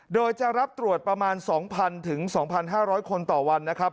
โดยจะรับตรวจประมาณ๒๐๐๒๕๐๐คนต่อวันนะครับ